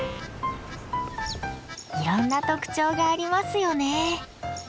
いろんな特徴がありますよね。